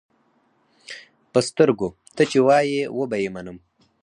پۀ سترګو، تۀ چې وایې وبۀ یې منم.